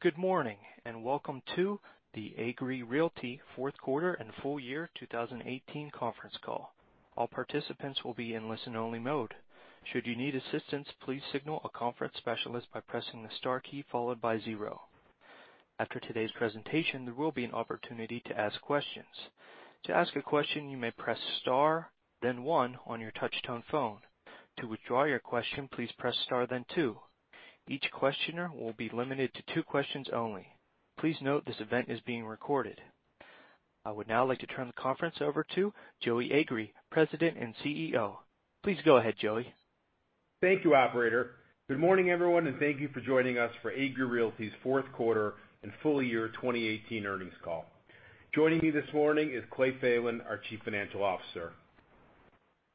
Good morning, and welcome to the Agree Realty fourth quarter and full year 2018 conference call. All participants will be in listen only mode. Should you need assistance, please signal a conference specialist by pressing the star key followed by zero. After today's presentation, there will be an opportunity to ask questions. To ask a question, you may press star then one on your touchtone phone. To withdraw your question, please press star then two. Each questioner will be limited to two questions only. Please note this event is being recorded. I would now like to turn the conference over to Joey Agree, President and CEO. Please go ahead, Joey. Thank you, operator. Good morning everyone, and thank you for joining us for Agree Realty's fourth quarter and full year 2018 earnings call. Joining me this morning is Clayton Thelen, our Chief Financial Officer.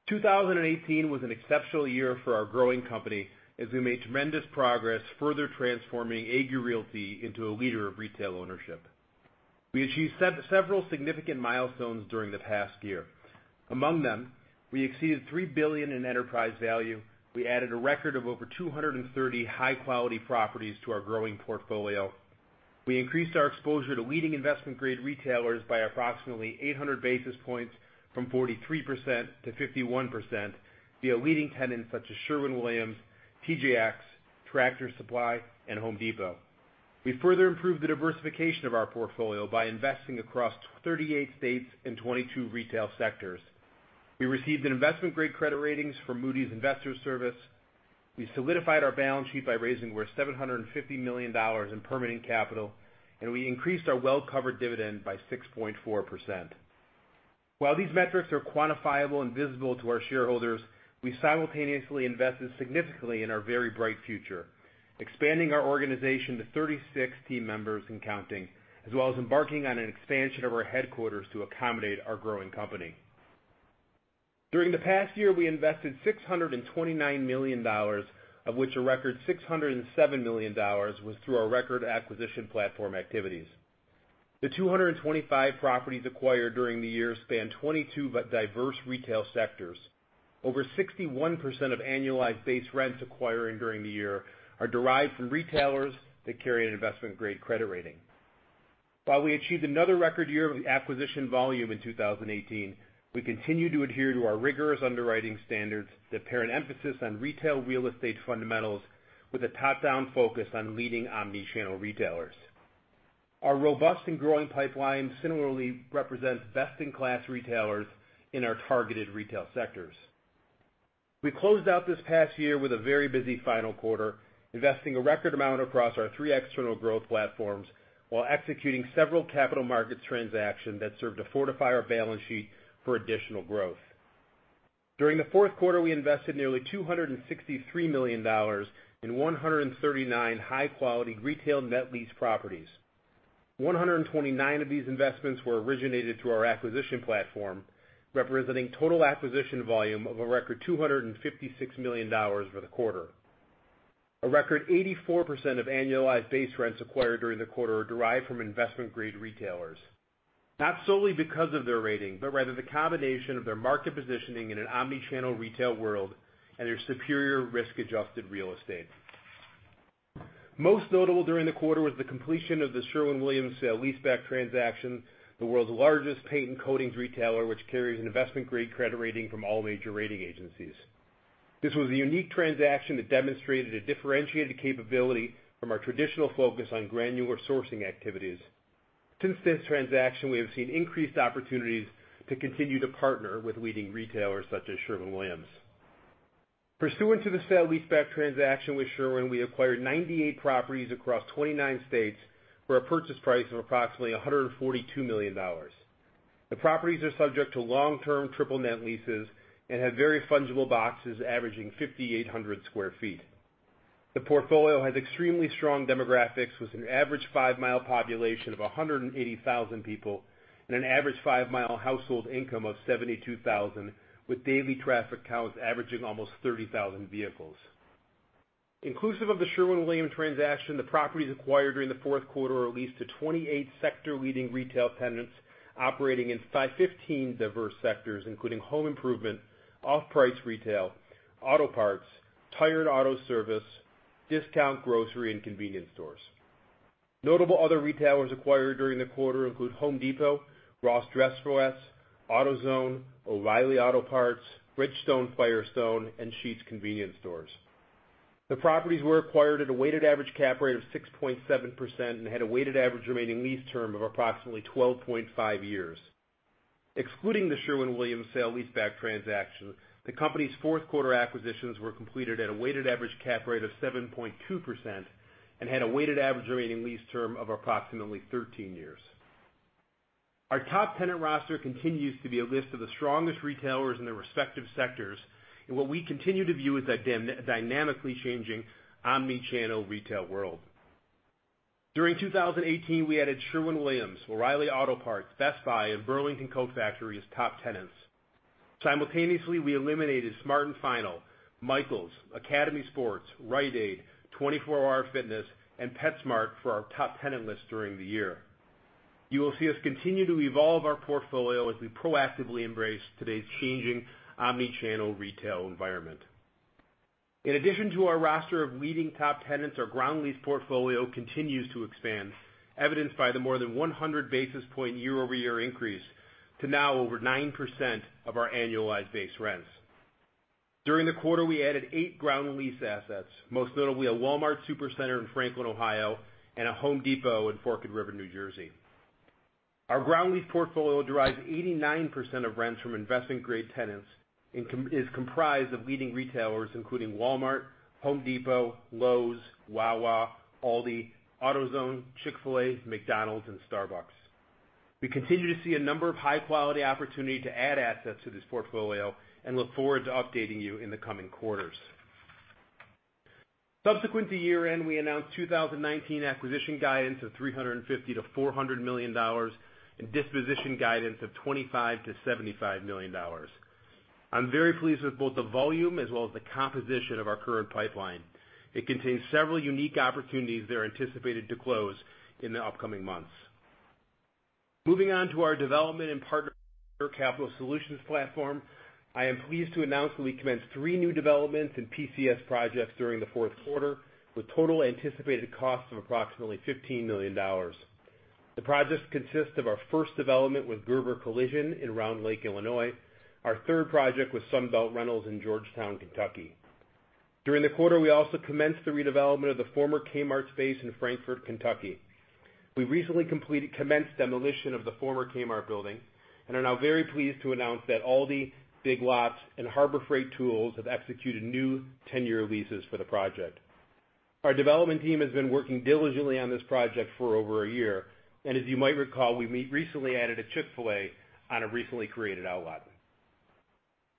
2018 was an exceptional year for our growing company as we made tremendous progress further transforming Agree Realty into a leader of retail ownership. We achieved several significant milestones during the past year. Among them, we exceeded $3 billion in enterprise value. We added a record of over 230 high-quality properties to our growing portfolio. We increased our exposure to leading investment-grade retailers by approximately 800 basis points from 43% to 51% via leading tenants such as Sherwin-Williams, TJX, Tractor Supply, and Home Depot. We further improved the diversification of our portfolio by investing across 38 states and 22 retail sectors. We received an investment-grade credit rating from Moody's Investors Service. We solidified our balance sheet by raising over $750 million in permanent capital, and we increased our well-covered dividend by 6.4%. While these metrics are quantifiable and visible to our shareholders, we simultaneously invested significantly in our very bright future. Expanding our organization to 36 team members and counting, as well as embarking on an expansion of our headquarters to accommodate our growing company. During the past year, we invested $629 million, of which a record $607 million was through our record acquisition platform activities. The 225 properties acquired during the year span 22 diverse retail sectors. Over 61% of annualized base rents acquiring during the year are derived from retailers that carry an investment-grade credit rating. While we achieved another record year of acquisition volume in 2018, we continue to adhere to our rigorous underwriting standards that pair an emphasis on retail real estate fundamentals with a top-down focus on leading omni-channel retailers. Our robust and growing pipeline similarly represents best-in-class retailers in our targeted retail sectors. We closed out this past year with a very busy final quarter, investing a record amount across our three external growth platforms while executing several capital markets transaction that served to fortify our balance sheet for additional growth. During the fourth quarter, we invested nearly $263 million in 139 high-quality retail net lease properties. 129 of these investments were originated through our acquisition platform, representing total acquisition volume of a record $256 million for the quarter. A record 84% of annualized base rents acquired during the quarter are derived from investment-grade retailers, not solely because of their rating, but rather the combination of their market positioning in an omni-channel retail world and their superior risk-adjusted real estate. Most notable during the quarter was the completion of The Sherwin-Williams sale-leaseback transaction, the world's largest paint and coatings retailer, which carries an investment-grade credit rating from all major rating agencies. This was a unique transaction that demonstrated a differentiated capability from our traditional focus on granular sourcing activities. Since this transaction, we have seen increased opportunities to continue to partner with leading retailers such as Sherwin-Williams. Pursuant to the sale-leaseback transaction with Sherwin, we acquired 98 properties across 29 states for a purchase price of approximately $142 million. The properties are subject to long-term triple net leases and have very fungible boxes averaging 5,800 sq ft. The portfolio has extremely strong demographics, with an average five-mile population of 180,000 people and an average five-mile household income of $72,000, with daily traffic counts averaging almost 30,000 vehicles. Inclusive of The Sherwin-Williams transaction, the properties acquired during the fourth quarter are leased to 28 sector-leading retail tenants operating in 15 diverse sectors, including home improvement, off-price retail, auto parts, tire and auto service, discount grocery, and convenience stores. Notable other retailers acquired during the quarter include The Home Depot, Ross Dress for Less, AutoZone, O'Reilly Auto Parts, Bridgestone Firestone, and Sheetz Convenience Stores. The properties were acquired at a weighted average cap rate of 6.7% and had a weighted average remaining lease term of approximately 12.5 years. Excluding The Sherwin-Williams sale-leaseback transaction, the company's fourth quarter acquisitions were completed at a weighted average cap rate of 7.2% and had a weighted average remaining lease term of approximately 13 years. Our top tenant roster continues to be a list of the strongest retailers in their respective sectors, in what we continue to view as a dynamically changing omni-channel retail world. During 2018, we added Sherwin-Williams, O'Reilly Auto Parts, Best Buy, and Burlington Coat Factory as top tenants. Simultaneously, we eliminated Smart & Final, Michaels, Academy Sports, Rite Aid, 24 Hour Fitness, and PetSmart for our top tenant list during the year. You will see us continue to evolve our portfolio as we proactively embrace today's changing omni-channel retail environment. In addition to our roster of leading top tenants, our ground lease portfolio continues to expand, evidenced by the more than 100 basis point year-over-year increase to now over 9% of our annualized base rents. During the quarter, we added eight ground lease assets, most notably a Walmart Supercenter in Franklin, Ohio, and a Home Depot in Forked River, New Jersey. Our ground lease portfolio derives 89% of rents from investment-grade tenants, and is comprised of leading retailers including Walmart, The Home Depot, Lowe's, Wawa, Aldi, AutoZone, Chick-fil-A, McDonald's and Starbucks. We continue to see a number of high-quality opportunity to add assets to this portfolio, and look forward to updating you in the coming quarters. Subsequent to year-end, we announced 2019 acquisition guidance of $350 million-$400 million and disposition guidance of $25 million-$75 million. I'm very pleased with both the volume as well as the composition of our current pipeline. It contains several unique opportunities that are anticipated to close in the upcoming months. Moving on to our development and partner capital solutions platform, I am pleased to announce that we commenced three new developments in PCS projects during the fourth quarter, with total anticipated cost of approximately $15 million. The projects consist of our first development with Gerber Collision in Round Lake, Illinois, our third project with Sunbelt Rentals in Georgetown, Kentucky. During the quarter, we also commenced the redevelopment of the former Kmart space in Frankfort, Kentucky. We recently commenced demolition of the former Kmart building and are now very pleased to announce that Aldi, Big Lots and Harbor Freight Tools have executed new 10-year leases for the project. Our development team has been working diligently on this project for over a year. As you might recall, we recently added a Chick-fil-A on a recently created outlot.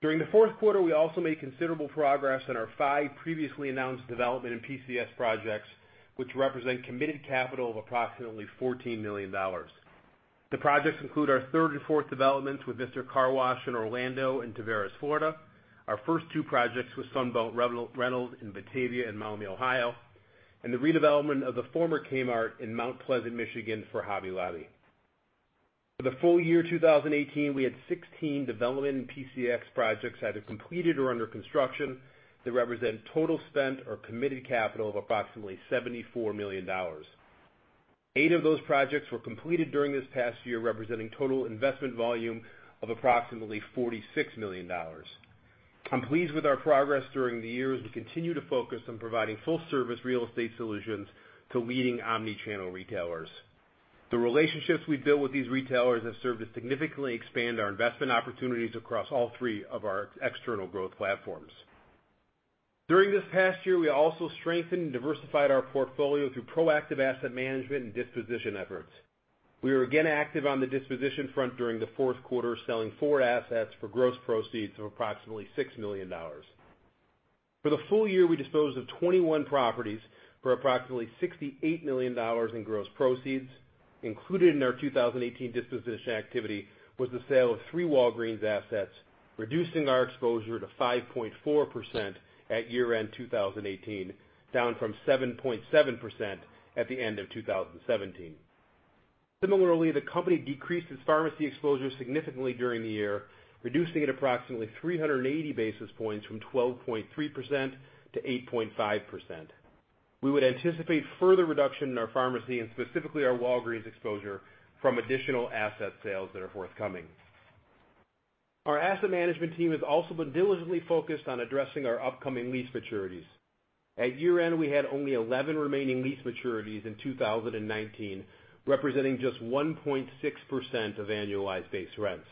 During the fourth quarter, we also made considerable progress on our five previously announced development in PCS projects, which represent committed capital of approximately $14 million. The projects include our third and fourth developments with Mister Car Wash in Orlando and Tavares, Florida, our first two projects with Sunbelt Rentals in Batavia and Miami, Ohio, and the redevelopment of the former Kmart in Mount Pleasant, Michigan for Hobby Lobby. For the full year 2018, we had 16 development in PCS projects either completed or under construction, that represent total spent or committed capital of approximately $74 million. Eight of those projects were completed during this past year, representing total investment volume of approximately $46 million. I'm pleased with our progress during the year, as we continue to focus on providing full service real estate solutions to leading omni-channel retailers. The relationships we've built with these retailers have served to significantly expand our investment opportunities across all three of our external growth platforms. During this past year, we also strengthened and diversified our portfolio through proactive asset management and disposition efforts. We were again active on the disposition front during the fourth quarter, selling four assets for gross proceeds of approximately $6 million. For the full year, we disposed of 21 properties for approximately $68 million in gross proceeds. Included in our 2018 disposition activity was the sale of three Walgreens assets, reducing our exposure to 5.4% at year-end 2018, down from 7.7% at the end of 2017. Similarly, the company decreased its pharmacy exposure significantly during the year, reducing it approximately 380 basis points from 12.3% to 8.5%. We would anticipate further reduction in our pharmacy and specifically our Walgreens exposure from additional asset sales that are forthcoming. Our asset management team has also been diligently focused on addressing our upcoming lease maturities. At year-end, we had only 11 remaining lease maturities in 2019, representing just 1.6% of annualized base rents.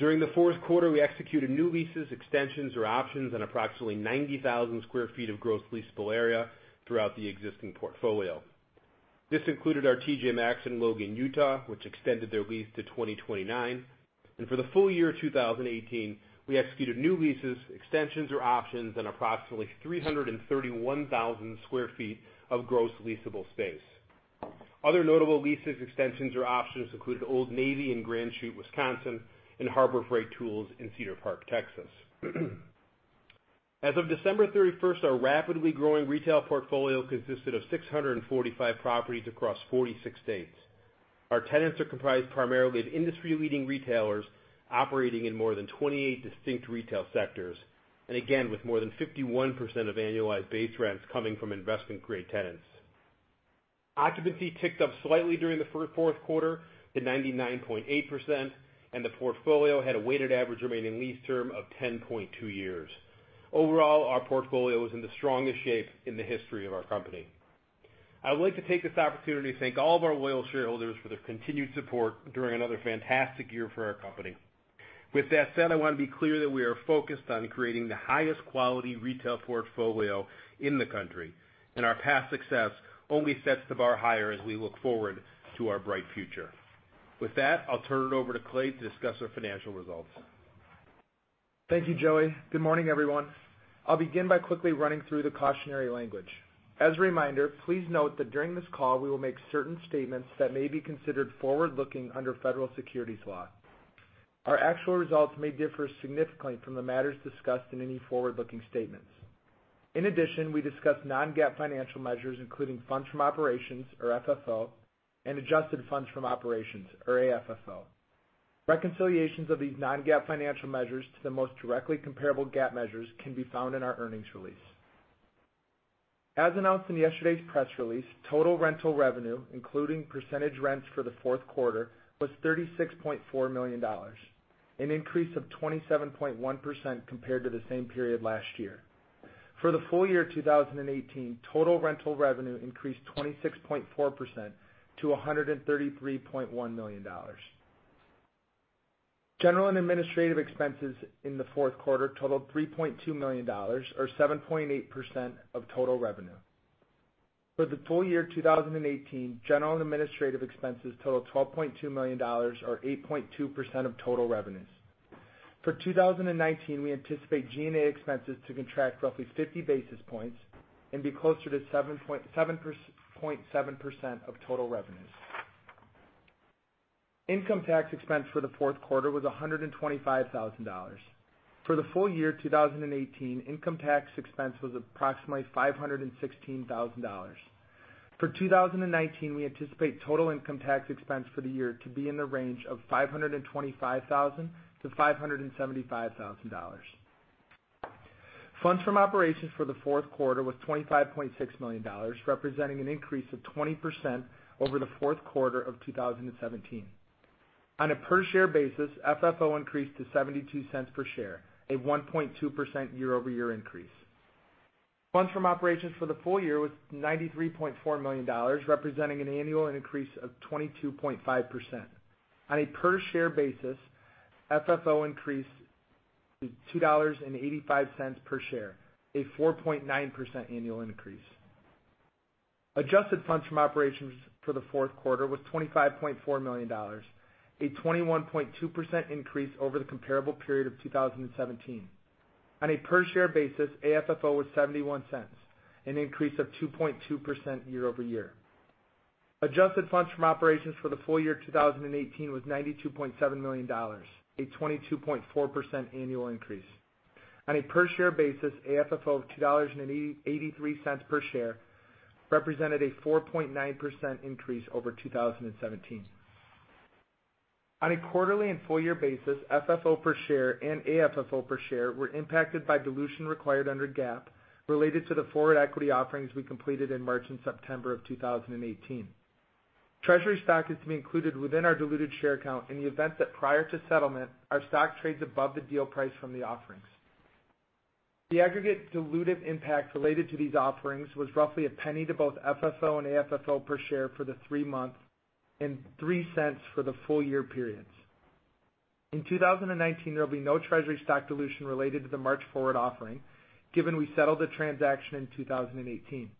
During the fourth quarter, we executed new leases, extensions or options on approximately 90,000 square feet of gross leasable area throughout the existing portfolio. This included our TJ Maxx in Logan, Utah, which extended their lease to 2029. For the full year 2018, we executed new leases, extensions or options on approximately 331,000 square feet of gross leasable space. Other notable leases, extensions or options include Old Navy in Grand Chute, Wisconsin, and Harbor Freight Tools in Cedar Park, Texas. As of December 31st, our rapidly growing retail portfolio consisted of 645 properties across 46 states. Our tenants are comprised primarily of industry-leading retailers operating in more than 28 distinct retail sectors, with more than 51% of annualized base rents coming from investment-grade tenants. Occupancy ticked up slightly during the fourth quarter to 99.8%, and the portfolio had a weighted average remaining lease term of 10.2 years. Overall, our portfolio is in the strongest shape in the history of our company. I would like to take this opportunity to thank all of our loyal shareholders for their continued support during another fantastic year for our company. With that said, I want to be clear that we are focused on creating the highest quality retail portfolio in the country. Our past success only sets the bar higher as we look forward to our bright future. With that, I'll turn it over to Clay to discuss our financial results. Thank you, Joey. Good morning, everyone. I'll begin by quickly running through the cautionary language. As a reminder, please note that during this call, we will make certain statements that may be considered forward-looking under federal securities law. Our actual results may differ significantly from the matters discussed in any forward-looking statements. In addition, we discuss non-GAAP financial measures, including funds from operations, or FFO, and adjusted funds from operations, or AFFO. Reconciliations of these non-GAAP financial measures to the most directly comparable GAAP measures can be found in our earnings release. As announced in yesterday's press release, total rental revenue, including percentage rents for the fourth quarter, was $36.4 million, an increase of 27.1% compared to the same period last year. For the full year 2018, total rental revenue increased 26.4% to $133.1 million. General and administrative expenses in the fourth quarter totaled $3.2 million, or 7.8% of total revenue. For the full year 2018, general and administrative expenses totaled $12.2 million, or 8.2% of total revenues. For 2019, we anticipate G&A expenses to contract roughly 50 basis points and be closer to 7.7% of total revenues. Income tax expense for the fourth quarter was $125,000. For the full year 2018, income tax expense was approximately $516,000. For 2019, we anticipate total income tax expense for the year to be in the range of $525,000-$575,000. Funds from operations for the fourth quarter was $25.6 million, representing an increase of 20% over the fourth quarter of 2017. On a per-share basis, FFO increased to $0.72 per share, a 1.2% year-over-year increase. Funds from operations for the full year was $93.4 million, representing an annual increase of 22.5%. On a per-share basis, FFO increased to $2.85 per share, a 4.9% annual increase. Adjusted funds from operations for the fourth quarter was $25.4 million, a 21.2% increase over the comparable period of 2017. On a per-share basis, AFFO was $0.71, an increase of 2.2% year-over-year. Adjusted funds from operations for the full year 2018 was $92.7 million, a 22.4% annual increase. On a per-share basis, AFFO of $2.83 per share represented a 4.9% increase over 2017. On a quarterly and full-year basis, FFO per share and AFFO per share were impacted by dilution required under GAAP related to the forward equity offerings we completed in March and September of 2018. Treasury stock is to be included within our diluted share count in the event that prior to settlement, our stock trades above the deal price from the offerings. The aggregate dilutive impact related to these offerings was roughly $0.01 to both FFO and AFFO per share for the three-month, and $0.03 for the full-year periods. In 2019, there will be no treasury stock dilution related to the March forward offering, given we settled the transaction in 2018.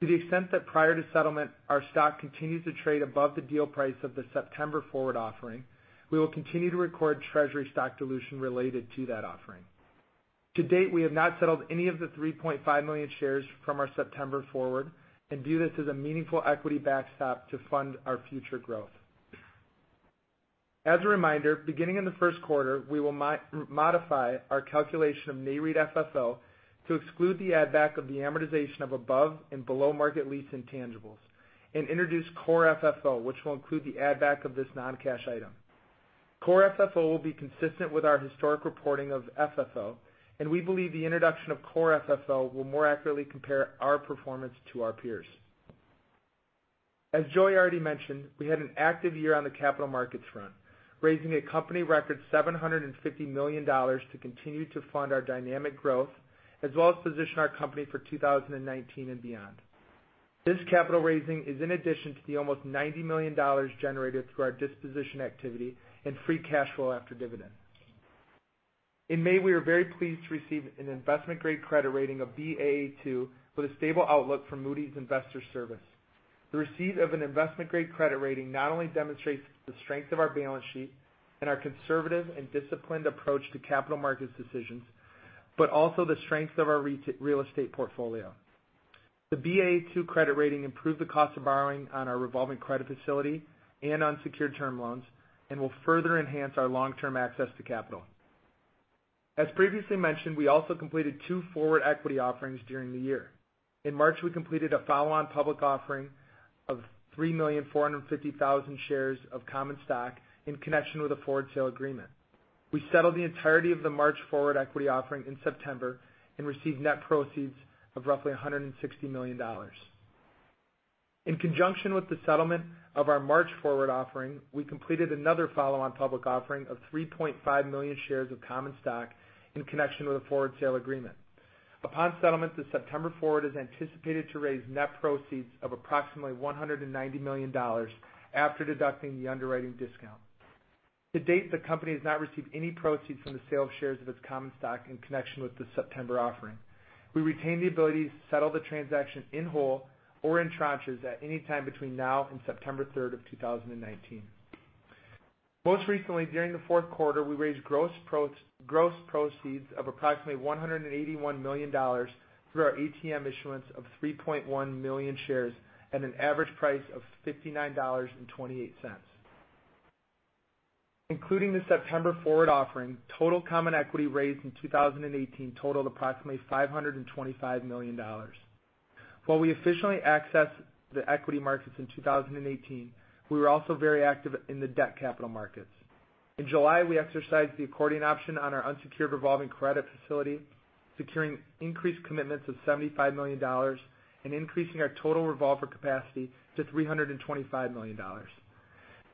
To the extent that prior to settlement, our stock continues to trade above the deal price of the September forward offering, we will continue to record treasury stock dilution related to that offering. To date, we have not settled any of the 3.5 million shares from our September forward and view this as a meaningful equity backstop to fund our future growth. As a reminder, beginning in the first quarter, we will modify our calculation of Nareit FFO to exclude the add-back of the amortization of above and below-market lease intangibles and introduce Core FFO, which will include the add-back of this non-cash item. Core FFO will be consistent with our historic reporting of FFO, and we believe the introduction of Core FFO will more accurately compare our performance to our peers. As Joey already mentioned, we had an active year on the capital markets front, raising a company-record $750 million to continue to fund our dynamic growth, as well as position our company for 2019 and beyond. This capital raising is in addition to the almost $90 million generated through our disposition activity and free cash flow after dividend. In May, we were very pleased to receive an investment-grade credit rating of Baa2 with a stable outlook from Moody's Investors Service. The receipt of an investment-grade credit rating not only demonstrates the strength of our balance sheet and our conservative and disciplined approach to capital markets decisions, but also the strength of our real estate portfolio. The Baa2 credit rating improved the cost of borrowing on our revolving credit facility and on unsecured term loans and will further enhance our long-term access to capital. As previously mentioned, we also completed two forward equity offerings during the year. In March, we completed a follow-on public offering of 3,450,000 shares of common stock in connection with a forward sale agreement. We settled the entirety of the March forward equity offering in September and received net proceeds of roughly $160 million. In conjunction with the settlement of our March forward offering, we completed another follow-on public offering of 3.5 million shares of common stock in connection with a forward sale agreement. Upon settlement, the September forward is anticipated to raise net proceeds of approximately $190 million after deducting the underwriting discount. To date, the company has not received any proceeds from the sale of shares of its common stock in connection with the September offering. We retain the ability to settle the transaction in whole or in tranches at any time between now and September 3, 2019. Most recently, during the fourth quarter, we raised gross proceeds of approximately $181 million through our ATM issuance of 3.1 million shares at an average price of $59.28. Including the September forward offering, total common equity raised in 2018 totaled approximately $525 million. While we officially accessed the equity markets in 2018, we were also very active in the debt capital markets. In July, we exercised the accordion option on our unsecured revolving credit facility, securing increased commitments of $75 million and increasing our total revolver capacity to $325 million.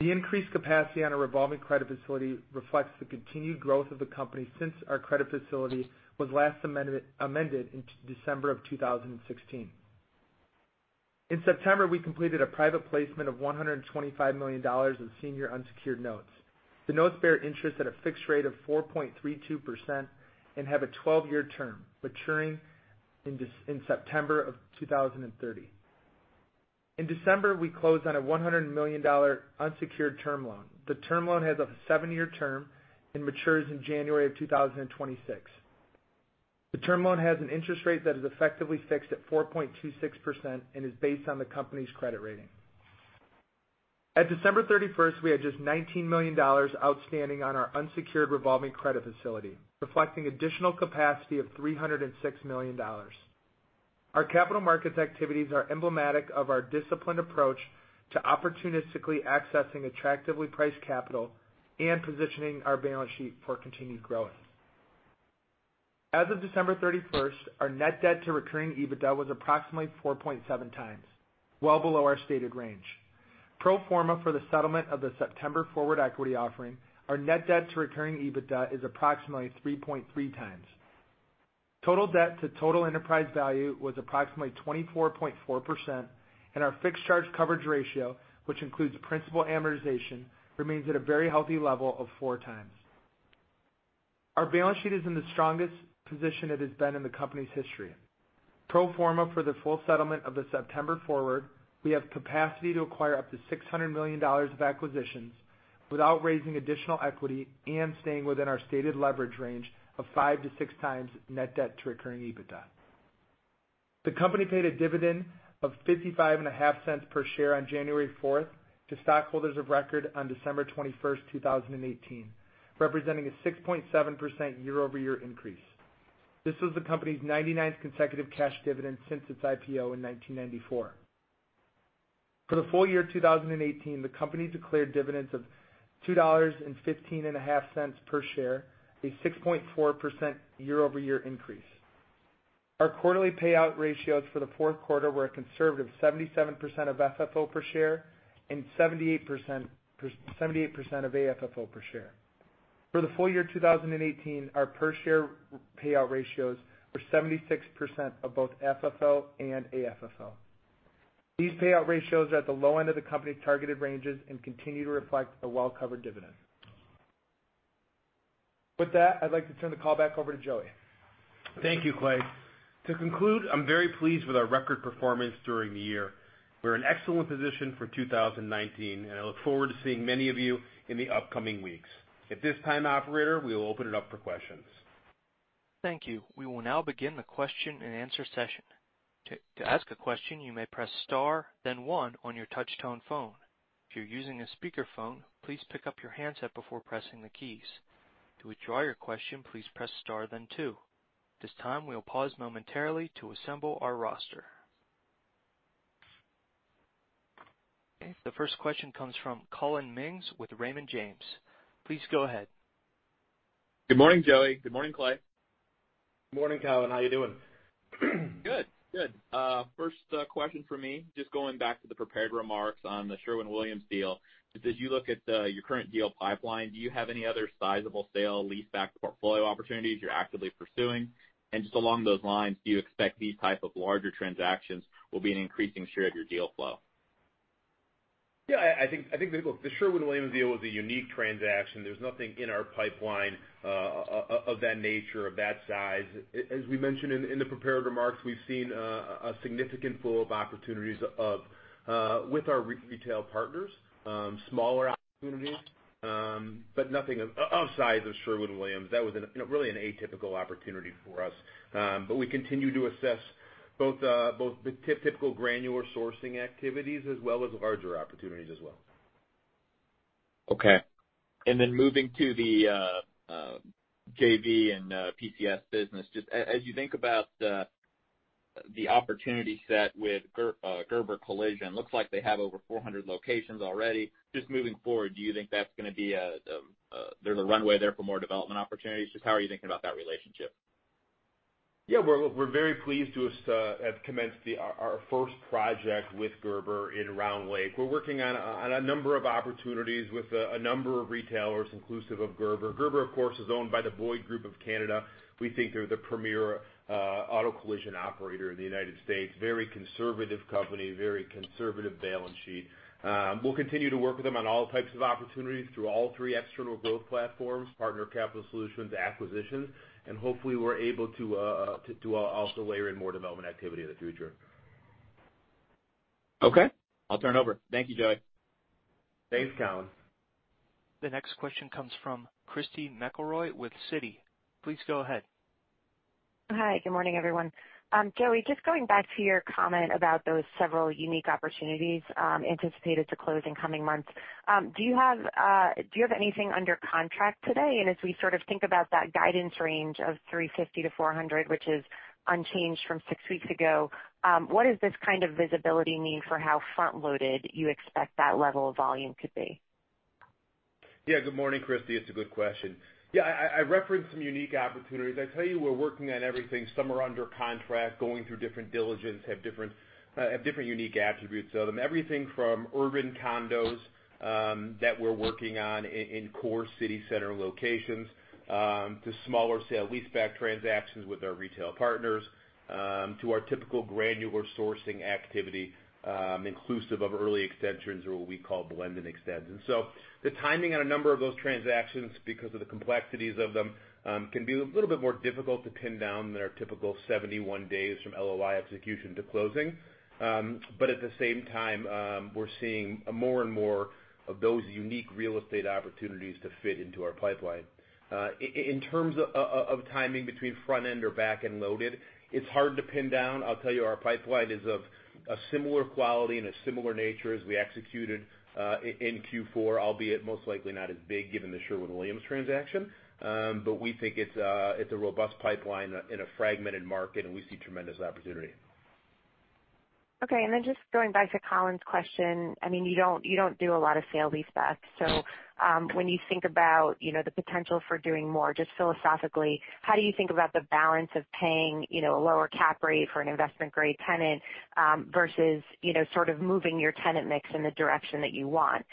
The increased capacity on a revolving credit facility reflects the continued growth of the company since our credit facility was last amended in December 2016. In September, we completed a private placement of $125 million of senior unsecured notes. The notes bear interest at a fixed rate of 4.32% and have a 12-year term, maturing in September 2030. In December, we closed on a $100 million unsecured term loan. The term loan has a seven-year term and matures in January 2026. The term loan has an interest rate that is effectively fixed at 4.26% and is based on the company's credit rating. At December 31, we had just $19 million outstanding on our unsecured revolving credit facility, reflecting additional capacity of $306 million. Our capital markets activities are emblematic of our disciplined approach to opportunistically accessing attractively priced capital and positioning our balance sheet for continued growth. As of December 31, our net debt to recurring EBITDA was approximately 4.7 times, well below our stated range. Pro forma for the settlement of the September forward equity offering, our net debt to recurring EBITDA is approximately 3.3 times. Total debt to total enterprise value was approximately 24.4%, and our fixed charge coverage ratio, which includes principal amortization, remains at a very healthy level of four times. Our balance sheet is in the strongest position it has been in the company's history. Pro forma for the full settlement of the September forward, we have capacity to acquire up to $600 million of acquisitions without raising additional equity and staying within our stated leverage range of five to six times net debt to recurring EBITDA. The company paid a dividend of $0.555 per share on January 4 to stockholders of record on December 21, 2018, representing a 6.7% year-over-year increase. This was the company's 99th consecutive cash dividend since its IPO in 1994. For the full year 2018, the company declared dividends of $2.155 per share, a 6.4% year-over-year increase. Our quarterly payout ratios for the fourth quarter were a conservative 77% of FFO per share and 78% of AFFO per share. For the full year 2018, our per share payout ratios were 76% of both FFO and AFFO. These payout ratios are at the low end of the company's targeted ranges and continue to reflect a well-covered dividend. With that, I'd like to turn the call back over to Joey. Thank you, Clay. To conclude, I'm very pleased with our record performance during the year. We're in excellent position for 2019, and I look forward to seeing many of you in the upcoming weeks. At this time, operator, we'll open it up for questions. Thank you. We will now begin the question and answer session. To ask a question, you may press star then one on your touch-tone phone. If you're using a speakerphone, please pick up your handset before pressing the keys. To withdraw your question, please press star then two. At this time, we'll pause momentarily to assemble our roster. Okay, the first question comes from Collin Mings with Raymond James. Please go ahead. Good morning, Joey. Good morning, Clay. Morning, Collin. How you doing? Good. First question from me, just going back to the prepared remarks on The Sherwin-Williams Company deal. Just along those lines, do you expect these type of larger transactions will be an increasing share of your deal flow? Yeah, I think The Sherwin-Williams Company deal was a unique transaction. There's nothing in our pipeline of that nature, of that size. As we mentioned in the prepared remarks, we've seen a significant pool of opportunities with our retail partners, smaller opportunities, but nothing of size of The Sherwin-Williams Company. That was really an atypical opportunity for us. We continue to assess both the typical granular sourcing activities as well as larger opportunities as well. Okay. Then moving to the JV and PCS business. Just as you think about the opportunity set with Gerber Collision, looks like they have over 400 locations already. Just moving forward, do you think there's a runway there for more development opportunities? Just how are you thinking about that relationship? Yeah, we're very pleased to have commenced our first project with Gerber in Round Lake. We're working on a number of opportunities with a number of retailers, inclusive of Gerber. Gerber, of course, is owned by the Boyd Group of Canada. We think they're the premier auto collision operator in the United States. Very conservative company, very conservative balance sheet. We'll continue to work with them on all types of opportunities through all three external growth platforms, partner capital solutions, acquisitions, and hopefully we're able to also layer in more development activity in the future. Okay. I'll turn over. Thank you, Joey. Thanks, Collin. The next question comes from Christy McElroy with Citi. Please go ahead. Hi, good morning, everyone. Joey, just going back to your comment about those several unique opportunities anticipated to close in coming months. Do you have anything under contract today? As we sort of think about that guidance range of $350-$400, which is unchanged from six weeks ago, what does this kind of visibility mean for how front-loaded you expect that level of volume to be? Good morning, Christy. It's a good question. I referenced some unique opportunities. I tell you, we're working on everything. Some are under contract, going through different diligence, have different unique attributes of them. Everything from urban condos that we're working on in core city center locations, to smaller sale-leaseback transactions with our retail partners, to our typical granular sourcing activity, inclusive of early extensions or what we call blend and extends. The timing on a number of those transactions, because of the complexities of them, can be a little bit more difficult to pin down than our typical 71 days from LOI execution to closing. At the same time, we're seeing more and more of those unique real estate opportunities to fit into our pipeline. In terms of timing between front end or back end loaded, it's hard to pin down. I'll tell you, our pipeline is of a similar quality and a similar nature as we executed in Q4, albeit most likely not as big given the Sherwin-Williams transaction. We think it's a robust pipeline in a fragmented market. We see tremendous opportunity. Okay. Just going back to Collin's question, you don't do a lot of sale-leasebacks. When you think about the potential for doing more, just philosophically, how do you think about the balance of paying a lower cap rate for an investment-grade tenant, versus sort of moving your tenant mix in the direction that you want?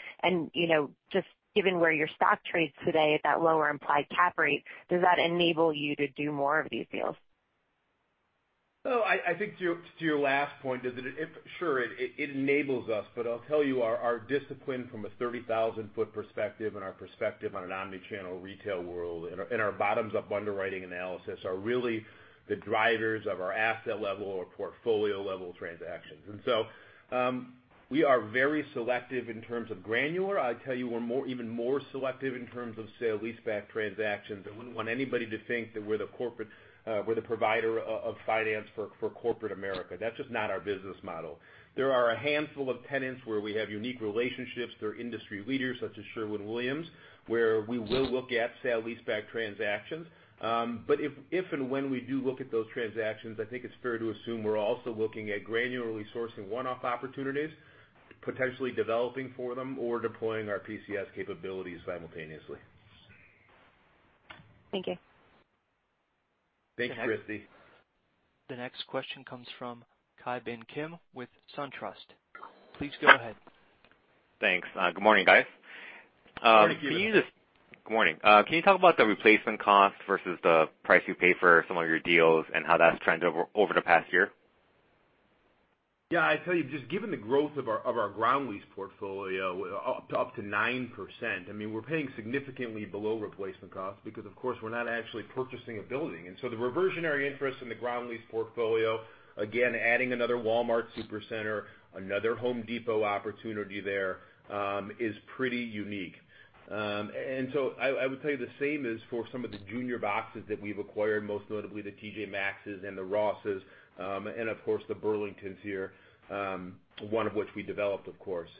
Just given where your stock trades today at that lower implied cap rate, does that enable you to do more of these deals? I think to your last point is that sure, it enables us, but I'll tell you, our discipline from a 30,000-foot perspective and our perspective on an omni-channel retail world and our bottoms-up underwriting analysis are really the drivers of our asset level or portfolio level transactions. We are very selective in terms of granular. I'd tell you we're even more selective in terms of sale-leaseback transactions. I wouldn't want anybody to think that we're the provider of finance for corporate America. That's just not our business model. There are a handful of tenants where we have unique relationships. They're industry leaders such as Sherwin-Williams, where we will look at sale-leaseback transactions. If and when we do look at those transactions, I think it's fair to assume we're also looking at granularly sourcing one-off opportunities, potentially developing for them or deploying our PCS capabilities simultaneously. Thank you. Thanks, Christy. The next question comes from Ki Bin Kim with SunTrust. Please go ahead. Thanks. Good morning, guys. Good morning. Good morning. Can you talk about the replacement cost versus the price you pay for some of your deals and how that's trended over the past year? Yeah, I'd tell you, just given the growth of our ground lease portfolio up to 9%, we're paying significantly below replacement cost because, of course, we're not actually purchasing a building. The reversionary interest in the ground lease portfolio, again, adding another Walmart Supercenter, another Home Depot opportunity there, is pretty unique. I would tell you the same is for some of the junior boxes that we've acquired, most notably the TJ Maxxes and the Rosses, and of course, the Burlingtons here, one of which we developed, of course.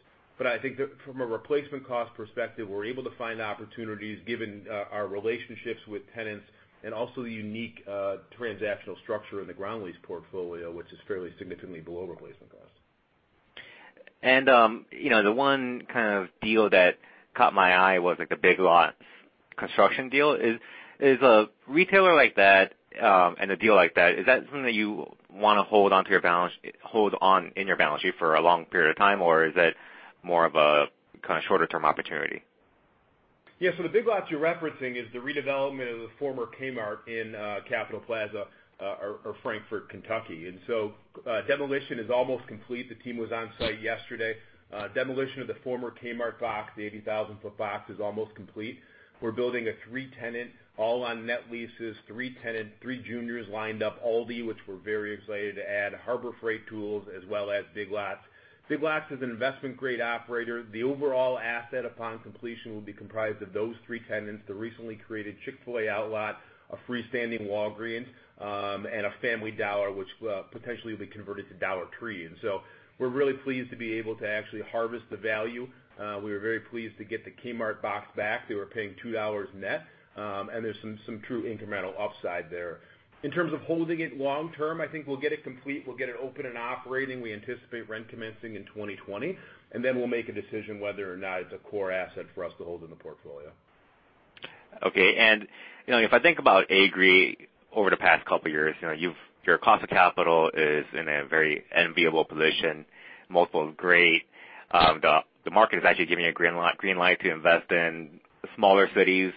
I think that from a replacement cost perspective, we're able to find opportunities given our relationships with tenants and also the unique transactional structure in the ground lease portfolio, which is fairly significantly below replacement cost. The one kind of deal that caught my eye was the Big Lots construction deal. Is a retailer like that and a deal like that, is that something that you want to hold on in your balance sheet for a long period of time, or is it more of a kind of shorter-term opportunity? The Big Lots you're referencing is the redevelopment of the former Kmart in Capitol Plaza, or Frankfort, Kentucky. Demolition is almost complete. The team was on site yesterday. Demolition of the former Kmart box, the 80,000-foot box, is almost complete. We're building a three tenant, all on net leases, three tenant, three juniors lined up, Aldi, which we're very excited to add, Harbor Freight Tools, as well as Big Lots. Big Lots is an investment-grade operator. The overall asset upon completion will be comprised of those three tenants, the recently created Chick-fil-A outlet, a freestanding Walgreens, and a Family Dollar, which potentially will be converted to Dollar Tree. We're really pleased to be able to actually harvest the value. We were very pleased to get the Kmart box back. They were paying $2 net. There's some true incremental upside there. In terms of holding it long term, I think we'll get it complete, we'll get it open and operating. We anticipate rent commencing in 2020, we'll make a decision whether or not it's a core asset for us to hold in the portfolio. If I think about Agree over the past couple of years, your cost of capital is in a very enviable position, multiple grade. The market is actually giving you a green light to invest in smaller cities,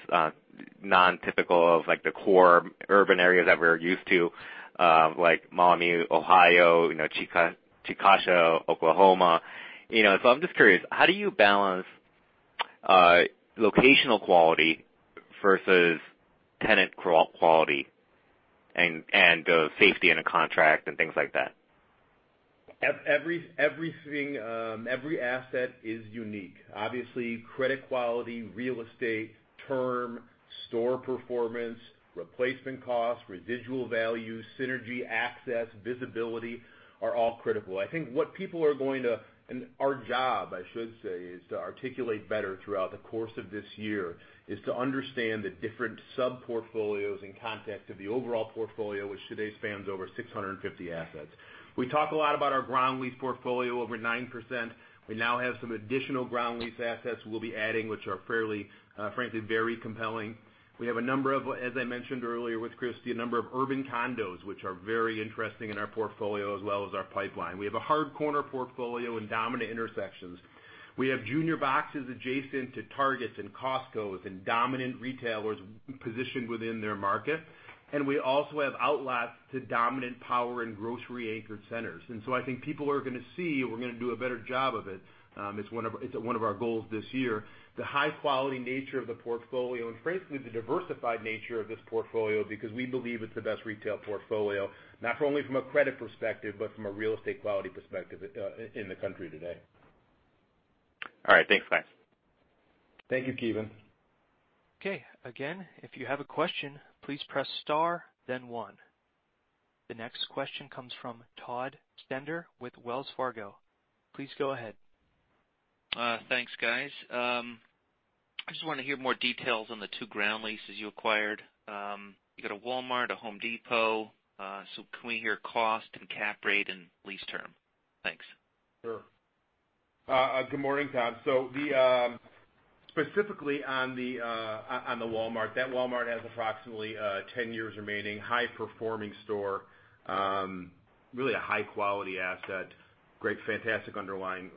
non-typical of the core urban areas that we're used to, like Maumee, Ohio, Chickasha, Oklahoma. I'm just curious, how do you balance locational quality versus tenant quality and safety in a contract and things like that? Every asset is unique. Obviously, credit quality, real estate, term, store performance, replacement costs, residual values, synergy, access, visibility, are all critical. Our job, I should say, is to articulate better throughout the course of this year, is to understand the different sub-portfolios in context of the overall portfolio, which today spans over 650 assets. We talk a lot about our ground lease portfolio, over 9%. We now have some additional ground lease assets we'll be adding, which are frankly, very compelling. We have, as I mentioned earlier with Christy, a number of urban condos, which are very interesting in our portfolio as well as our pipeline. We have a hard corner portfolio in dominant intersections. We have junior boxes adjacent to Target and Costco and dominant retailers positioned within their market. We also have outlots to dominant power and grocery-anchored centers. I think people are going to see, we're going to do a better job of it. It's one of our goals this year. The high-quality nature of the portfolio, and frankly, the diversified nature of this portfolio, because we believe it's the best retail portfolio, not only from a credit perspective, but from a real estate quality perspective, in the country today. All right. Thanks, guys. Thank you, Ki Bin. Okay. Again, if you have a question, please press star, then one. The next question comes from Todd Stender with Wells Fargo. Please go ahead. Thanks, guys. I just wanted to hear more details on the two ground leases you acquired. You got a Walmart, a Home Depot. Can we hear cost and cap rate and lease term? Thanks. Sure. Good morning, Tom. Specifically on the Walmart. That Walmart has approximately 10 years remaining. High-performing store. Really a high-quality asset. Great, fantastic underlying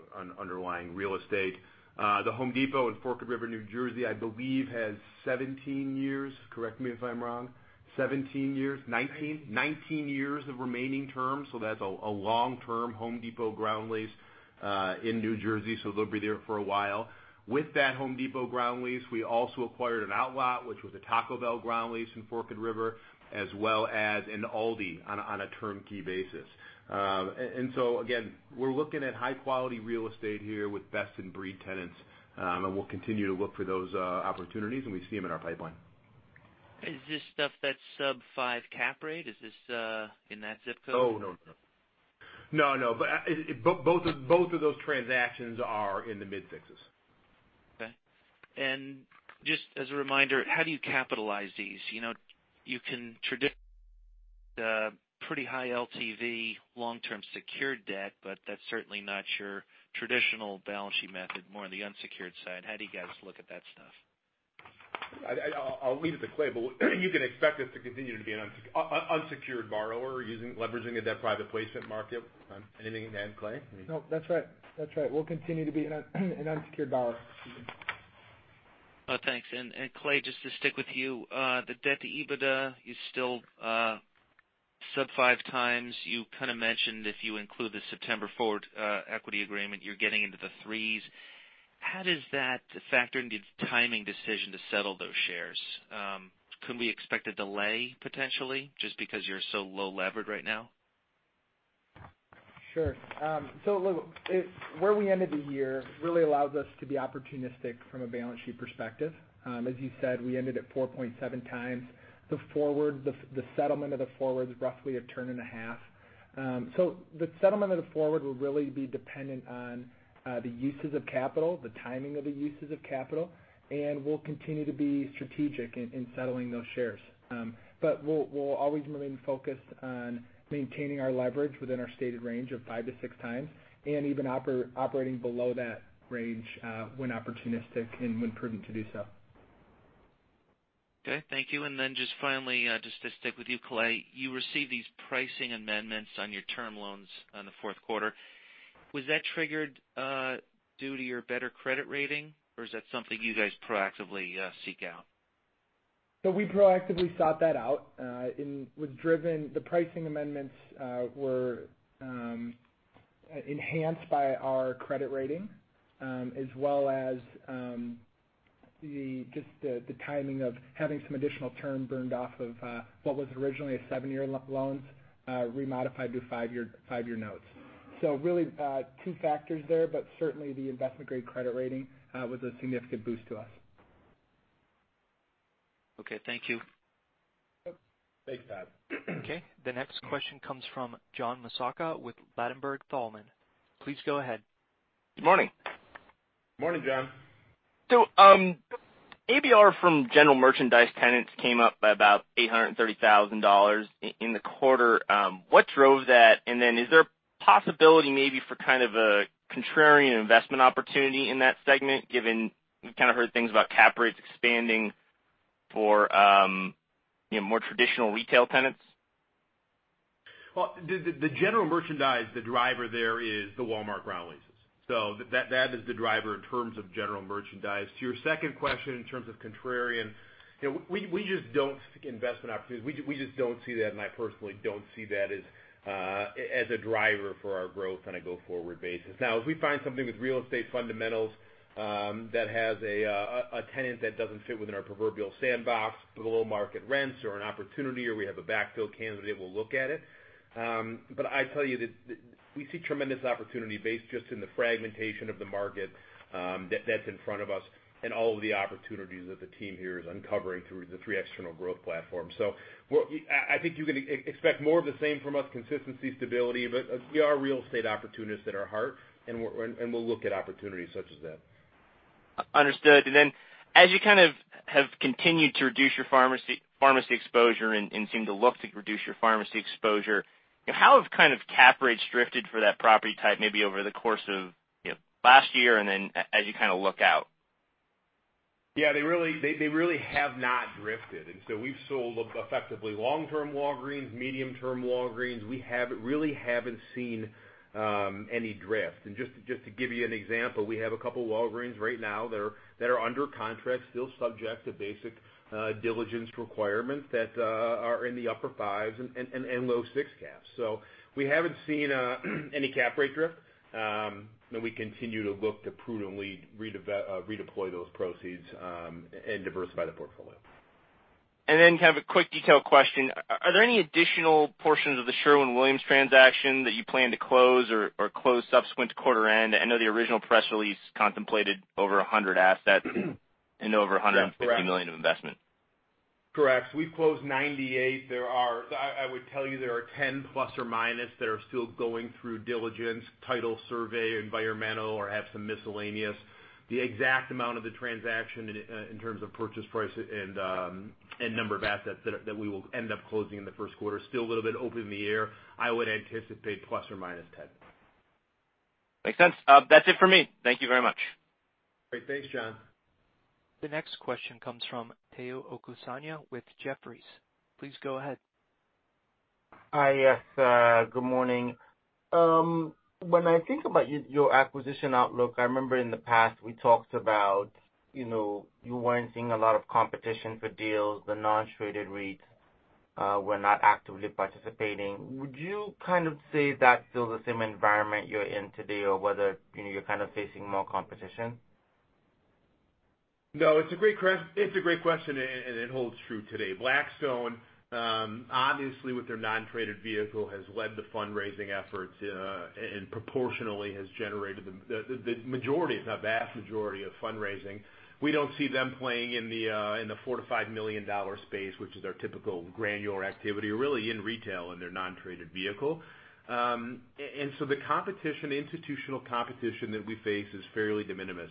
real estate. The Home Depot in Forked River, New Jersey, I believe, has 17 years. Correct me if I'm wrong. 17 years. 19? 19 years of remaining terms. That's a long-term Home Depot ground lease, in New Jersey, so they'll be there for a while. With that Home Depot ground lease, we also acquired an outlot, which was a Taco Bell ground lease in Forked River, as well as an Aldi on a turnkey basis. Again, we're looking at high-quality real estate here with best-in-breed tenants. We'll continue to look for those opportunities, and we see them in our pipeline. Is this stuff that's sub five cap rate? Is this in that ZIP code? Oh, no. No, no. Both of those transactions are in the mid sixes. Okay. Just as a reminder, how do you capitalize these? You can traditionally do pretty high LTV long-term secured debt, but that's certainly not your traditional balance sheet method, more on the unsecured side. How do you guys look at that stuff? I'll leave it to Clay, but you can expect us to continue to be an unsecured borrower, leveraging the debt private placement market. Anything to add, Clay? No. That's right. We'll continue to be an unsecured borrower. Thanks. Clay, just to stick with you, the debt to EBITDA is still sub five times. You kind of mentioned if you include the September forward equity agreement, you're getting into the threes. How does that factor into the timing decision to settle those shares? Can we expect a delay, potentially, just because you're so low levered right now? Sure. Look, where we ended the year really allows us to be opportunistic from a balance sheet perspective. As you said, we ended at 4.7 times. The settlement of the forward's roughly a turn and a half. The settlement of the forward will really be dependent on the uses of capital, the timing of the uses of capital, and we'll continue to be strategic in settling those shares. We'll always remain focused on maintaining our leverage within our stated range of five to six times, and even operating below that range, when opportunistic and when prudent to do so. Okay, thank you. Just finally, just to stick with you, Clay. You received these pricing amendments on your term loans on the fourth quarter. Was that triggered due to your better credit rating, or is that something you guys proactively seek out? We proactively sought that out. The pricing amendments were enhanced by our credit rating, as well as just the timing of having some additional term burned off of what was originally a seven-year loans, remodified to five-year notes. Really two factors there, certainly the investment-grade credit rating was a significant boost to us. Okay. Thank you. Yep. Thanks, Tom. Okay. The next question comes from John Massocca with Ladenburg Thalmann. Please go ahead. Good morning. Morning, John. ABR from general merchandise tenants came up by about $830,000 in the quarter. What drove that? Is there a possibility maybe for kind of a contrarian investment opportunity in that segment, given we've kind of heard things about cap rates expanding for more traditional retail tenants? Well, the general merchandise, the driver there is the Walmart ground leases. That is the driver in terms of general merchandise. To your second question in terms of contrarian, we just don't seek investment opportunities. We just don't see that, and I personally don't see that as a driver for our growth on a go-forward basis. Now, if we find something with real estate fundamentals, that has a tenant that doesn't fit within our proverbial sandbox, but with low market rents or an opportunity or have a backfill candidate, we'll look at it. I tell you that we see tremendous opportunity based just in the fragmentation of the market that's in front of us and all of the opportunities that the team here is uncovering through the three external growth platforms. I think you can expect more of the same from us, consistency, stability, we are real estate opportunists at our heart, and we'll look at opportunities such as that. Understood. As you have continued to reduce your pharmacy exposure and seem to look to reduce your pharmacy exposure, how have cap rates drifted for that property type, maybe over the course of last year as you look out? Yeah, they really have not drifted. We've sold effectively long-term Walgreens, medium-term Walgreens. We really haven't seen any drift. Just to give you an example, we have a couple Walgreens right now that are under contract, still subject to basic diligence requirements that are in the upper fives and low six caps. We haven't seen any cap rate drift. We continue to look to prudently redeploy those proceeds, and diversify the portfolio. Kind of a quick detail question. Are there any additional portions of Sherwin-Williams transaction that you plan to close or close subsequent to quarter end? I know the original press release contemplated over 100 assets and over $150 million. That's correct. of investment. Correct. We've closed 98. I would tell you there are 10 plus or minus that are still going through diligence, title survey, environmental, or have some miscellaneous. The exact amount of the transaction in terms of purchase price and number of assets that we will end up closing in the first quarter, still a little bit up in the air. I would anticipate plus or minus 10. Makes sense. That's it for me. Thank you very much. Great. Thanks, John. The next question comes from Tayo Okusanya with Jefferies. Please go ahead. Hi, yes. Good morning. When I think about your acquisition outlook, I remember in the past we talked about you weren't seeing a lot of competition for deals, the non-traded REITs were not actively participating. Would you kind of say that's still the same environment you're in today, or whether you're kind of facing more competition? It's a great question, and it holds true today. Blackstone, obviously with their non-traded vehicle, has led the fundraising efforts, and proportionally has generated the majority, if not vast majority of fundraising. We don't see them playing in the $4 million to $5 million space, which is our typical granular activity, really in retail in their non-traded vehicle. The institutional competition that we face is fairly de minimis.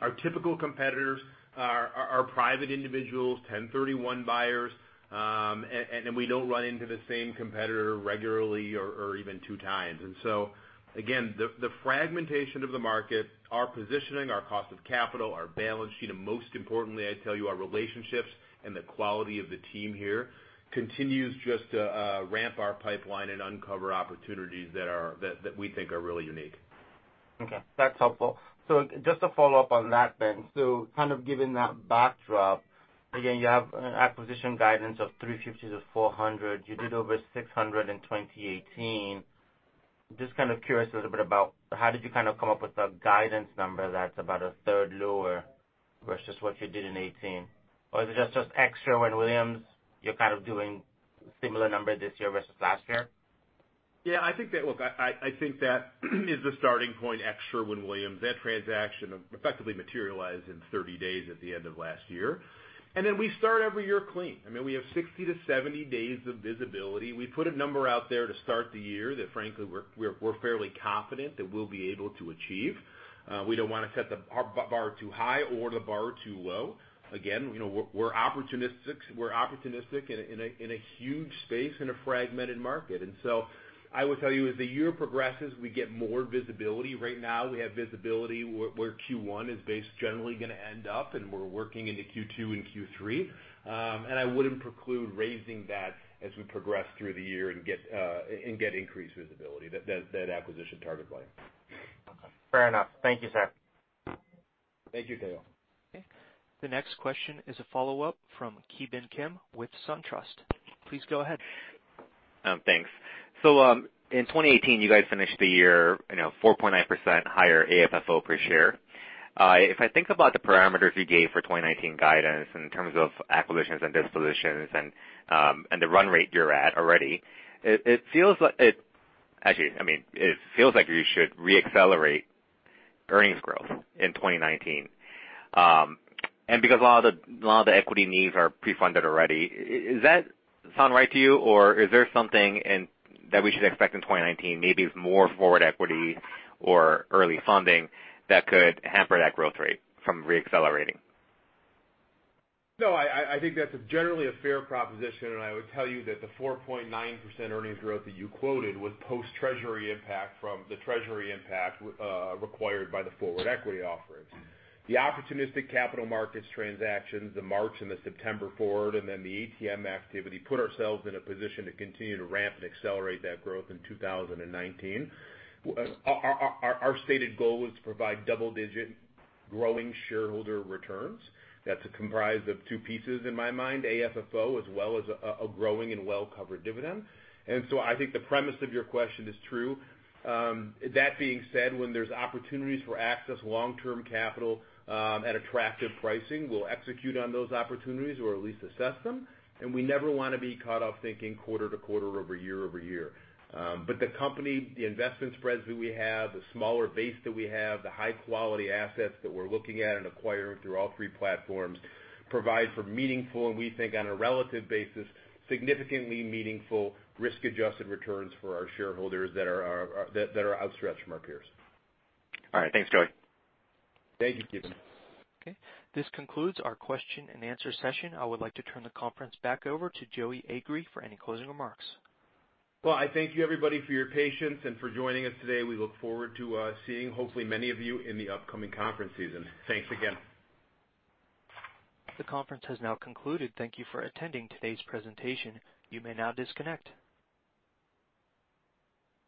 Our typical competitors are private individuals, 1031 buyers, and we don't run into the same competitor regularly or even two times. Again, the fragmentation of the market, our positioning, our cost of capital, our balance sheet, and most importantly, I tell you, our relationships and the quality of the team here continues just to ramp our pipeline and uncover opportunities that we think are really unique. That's helpful. Just to follow up on that then, given that backdrop, again, you have an acquisition guidance of $350 million to $400 million. You did over $600 million in 2018. Just kind of curious a little bit about how did you kind of come up with a guidance number that's about a third lower versus what you did in 2018? Is it just, ex Sherwin-Williams, you're kind of doing similar number this year versus last year? Yeah, I think that is the starting point, ex Sherwin-Williams. That transaction effectively materialized in 30 days at the end of last year. Then we start every year clean. We have 60-70 days of visibility. We put a number out there to start the year that frankly, we're fairly confident that we'll be able to achieve. We don't want to set the bar too high or the bar too low. Again, we're opportunistic in a huge space in a fragmented market. So I will tell you, as the year progresses, we get more visibility. Right now, we have visibility where Q1 is based generally going to end up, and we're working into Q2 and Q3. I wouldn't preclude raising that as we progress through the year and get increased visibility, that acquisition target line. Okay. Fair enough. Thank you, sir. Thank you, Tayo. Okay. The next question is a follow-up from Ki Bin Kim with SunTrust. Please go ahead. Thanks. In 2018, you guys finished the year 4.9% higher AFFO per share. If I think about the parameters you gave for 2019 guidance in terms of acquisitions and dispositions and the run rate you're at already, it feels like you should re-accelerate earnings growth in 2019. Because a lot of the equity needs are pre-funded already, does that sound right to you, or is there something that we should expect in 2019, maybe more forward equity or early funding that could hamper that growth rate from re-accelerating? No, I think that's generally a fair proposition, and I would tell you that the 4.9% earnings growth that you quoted was post-treasury impact from the treasury impact required by the forward equity offerings. The opportunistic capital markets transactions, the March and the September forward, then the ATM activity, put ourselves in a position to continue to ramp and accelerate that growth in 2019. Our stated goal is to provide double-digit growing shareholder returns. That's comprised of two pieces in my mind, AFFO as well as a growing and well-covered dividend. I think the premise of your question is true. That being said, when there's opportunities for access long-term capital at attractive pricing, we'll execute on those opportunities or at least assess them. We never want to be caught off thinking quarter-to-quarter over year-over-year. The company, the investment spreads that we have, the smaller base that we have, the high-quality assets that we're looking at and acquiring through all three platforms provide for meaningful, and we think on a relative basis, significantly meaningful risk-adjusted returns for our shareholders that are outstretched from our peers. All right. Thanks, Joey. Thank you, Ki Bin. Okay. This concludes our question and answer session. I would like to turn the conference back over to Joey Agree for any closing remarks. Well, I thank you everybody for your patience and for joining us today. We look forward to seeing hopefully many of you in the upcoming conference season. Thanks again. The conference has now concluded. Thank you for attending today's presentation. You may now disconnect.